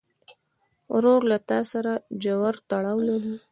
ورور له تا سره ژور تړاو لري.